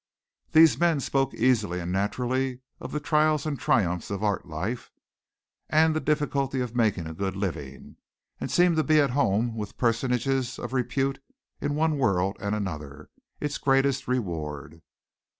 These men spoke easily and naturally of the trials and triumphs of art life, and the difficulty of making a good living, and seemed to be at home with personages of repute in one world and another, its greatest reward.